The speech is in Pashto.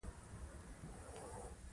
موږ بايد د خپلو اتلانو ياد تازه وساتو.